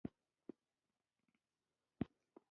اګر چې د دوي دا کار د يوې مذهبي فريضې